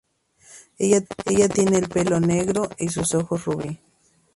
Ella tiene el pelo negro y ojos rubí.